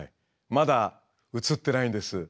まだ映ってないんです。